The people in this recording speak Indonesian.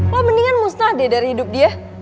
wah mendingan musnah deh dari hidup dia